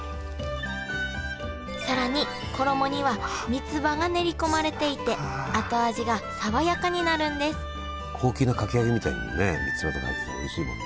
更に衣には三葉が練り込まれていて後味が爽やかになるんです高級なかき揚げみたいにね三葉とか入ってたらおいしいもん。